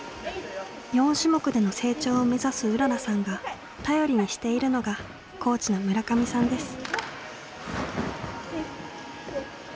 ４種目での成長を目指すうららさんが頼りにしているのがコーチの村上さんです。